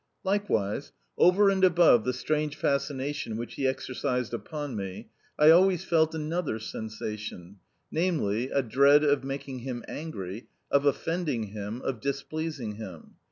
Likewise, over and above the strange fascination which he exercised upon me, I always felt another sensation, namely, a dread of making him angry, of offending him, of displeasing him.